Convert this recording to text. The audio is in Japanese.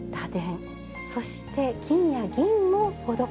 そして金や銀も施されています。